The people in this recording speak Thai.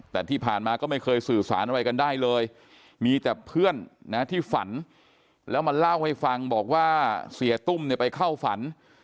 แต่ที่ผ่านมาก็ไม่เคยสื่อสารอะไรกันได้เลยมีแต่เพื่อนนะที่ฝันแล้วมาเล่าให้ฟังบอกว่าเสียตุ้มเนี่ยไปเข้าฝัน